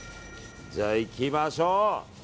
じゃあ、いきましょう。